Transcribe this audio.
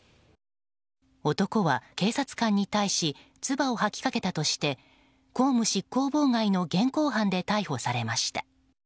男は警察官に対しつばを吐きかけたとして公務執行妨害の現行犯で逮捕されました。